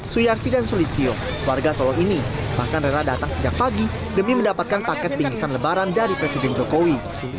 suyarsi dan sulistio warga solo ini bahkan rela datang sejak pagi demi mendapatkan paket bingkisan lebaran dari presiden jokowi